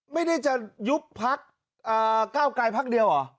ไม่ได้จะยุบพักก้าวไกลพักเดียวเหรอ